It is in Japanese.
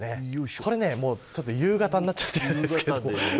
これ、夕方になっちゃってるんですけど。